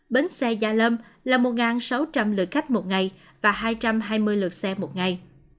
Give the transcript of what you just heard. bến xe gia lâm là một sáu trăm linh lượt khách một ngày và hai trăm hai mươi lượt xe một ngày